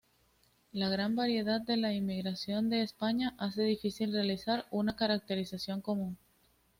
La gran variedad de la inmigración en España hace difícil realizar una caracterización común.